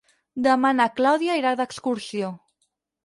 Demà na Clàudia irà d'excursió.